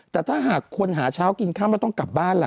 แต่ถ้าหากคนหาเช้ากินค่ำแล้วต้องกลับบ้านล่ะ